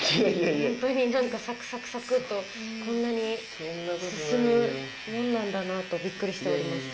本当になんかさくさくさくっと、こんなに進むもんなんだなと、びっくりしております。